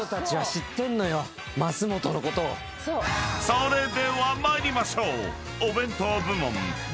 ［それでは参りましょう］